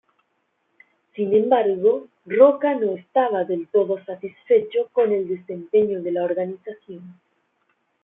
Sin embargo, Rocca no estaba del todo satisfecho con el desempeño de la organización.